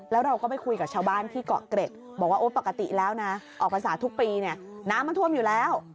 แล้วเราก็ไปคุยกับชาวบ้านที่เกาะเกร็ดบอกว่าโอ้ปกติแล้วนะออกภาษาทุกปีเนี่ยน้ำมันท่วมอยู่แล้ว